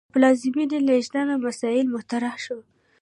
د پلازمې لېږد مسئله مطرح شوه.